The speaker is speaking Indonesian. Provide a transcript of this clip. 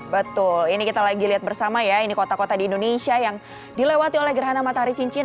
betul ini kita lagi lihat bersama ya ini kota kota di indonesia yang dilewati oleh gerhana matahari cincin